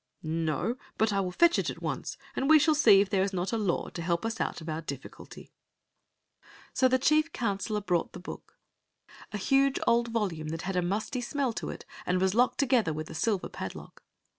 "No; but I will fetch it at once, and we shall see if there is not a law to help us out of our difficulty." So the chief counselor brought the book — a huge 24 Queen Zi xi of Ix; or, the old volume that had a musty smell to it and was locked together with a silver padlock.